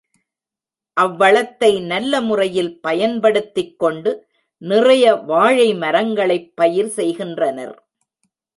அவ்வளத்தை நல்ல முறையில் பயன்படுத்திக் கொண்டு நிறைய வாழை மரங்களைப் பயிர்செய்கின்றனர்.